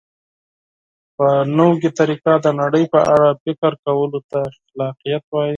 په نوې طریقه د نړۍ په اړه فکر کولو ته خلاقیت وایي.